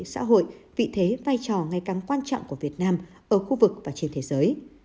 xã hội vị thế vai trò ngày càng quan trọng của việt nam ở khu vực và trên thế giới